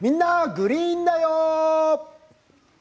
グリーンだよ」